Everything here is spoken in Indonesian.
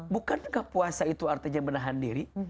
bukankah puasa itu artinya menahan diri